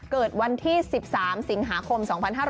เกิดวันที่๑๓สิงหาคม๒๕๕๙